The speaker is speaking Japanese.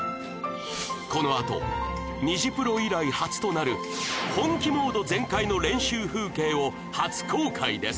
この後虹プロ以来初となる本気モード全開の練習風景を初公開です